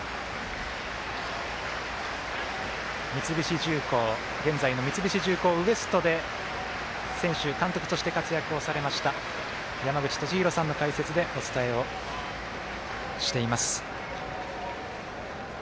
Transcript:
三菱重工現在の三菱重工Ｗｅｓｔで選手、監督として活躍をされました山口敏弘さんの解説でお伝えをしています。